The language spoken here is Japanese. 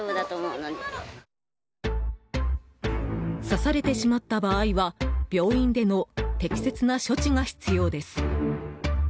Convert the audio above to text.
刺されてしまった場合は病院での適切な処置が必要です。